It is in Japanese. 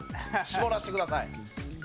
絞らせてください。